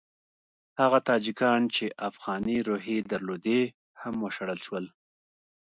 هغه تاجکان چې افغاني روحیې درلودې هم وشړل شول.